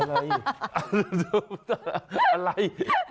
อะไร